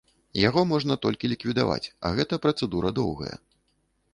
Яго можна толькі ліквідаваць, а гэта працэдура доўгая.